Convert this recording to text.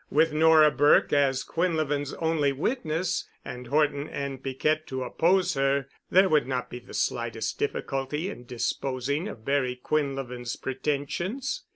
With Nora Burke as Quinlevin's only witness and Horton and Piquette to oppose her, there would not be the slightest difficulty in disposing of Barry Quinlevin's pretensions.